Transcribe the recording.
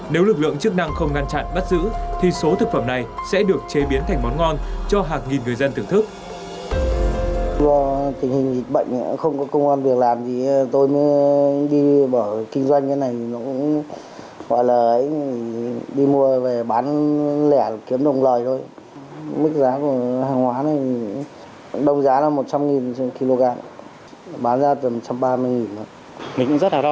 nếu lực lượng chức năng không ngăn chặn bắt giữ thì số thực phẩm này sẽ được chế biến thành món ngon cho hàng nghìn người dân thưởng thức